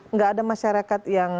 nggak ada masyarakat yang